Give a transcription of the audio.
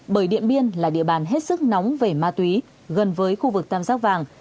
bởi điện biên là địa bàn hết sức nóng về ma túy gần với khu vực tam giác vàng